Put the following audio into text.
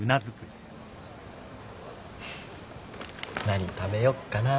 何食べよっかな。